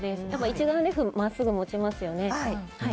一眼レフ、真っすぐ持ちますよね。